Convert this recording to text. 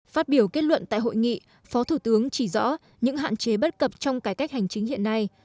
phát biểu kết luận tại hội nghị phó thủ tướng chỉ rõ những hạn chế bất cập trong cải cách hành chính hiện nay